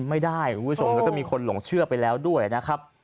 ไม่ได้อยู่ที่มีคนหล่องเชื่อไปแล้วด้วยนะครับ